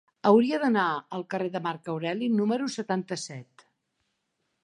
Hauria d'anar al carrer de Marc Aureli número setanta-set.